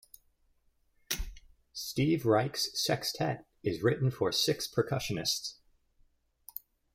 Steve Reich's "Sextet" is written for six percussionists.